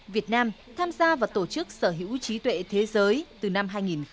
việt nam tham gia vào tổ chức sở hữu trí tuệ thế giới từ năm hai nghìn bảy